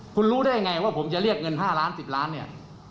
คุณรู้ได้ไงว่าผมจะเรียกเงิน๕ล้าน๑๐ล้านเนี่ย